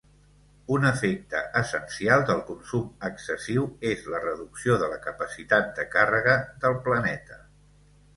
Un efecte essencial del consum excessiu és la reducció de la capacitat de càrrega del planeta.